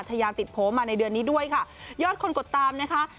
ทยาติดโผล่มาในเดือนนี้ด้วยค่ะยอดคนกดตามนะคะ